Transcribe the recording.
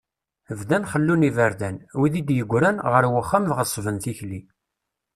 Bdan xellun iberdan, wid i d-yegran, ɣer wexxam ɣeṣben tikli.